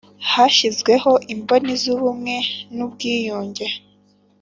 hashyizweho imboni z ubumwe n ubwiyunge